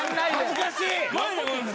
恥ずかしい！